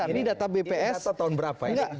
ini data tahun berapa ini